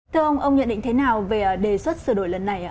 thưa ông ông nhận định thế nào về đề xuất sửa đổi lần này